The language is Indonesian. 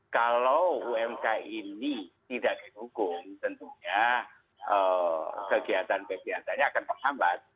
kalau umkm ini tidak dihukum tentunya kegiatan kegiatannya akan terhambat